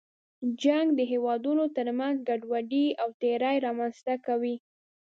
جنګ د هېوادونو تر منځ ګډوډي او تېرې رامنځته کوي.